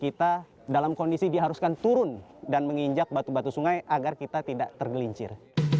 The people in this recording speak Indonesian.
kita dalam kondisi diharuskan turun dan menginjak batu batu sungai agar kita tidak tergelincir